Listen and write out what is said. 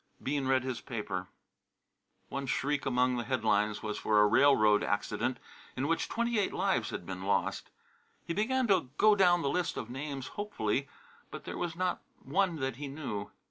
Bean read his paper. One shriek among the headlines was for a railroad accident in which twenty eight lives had been lost. He began to go down the list of names hopefully, but there was not one that he knew.